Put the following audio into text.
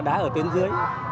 đã ở phía dưới